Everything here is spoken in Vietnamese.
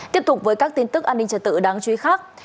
tiếp tục với các tin tức an ninh trật tự đáng chú ý khác